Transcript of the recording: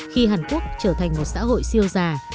khi hàn quốc trở thành một xã hội siêu già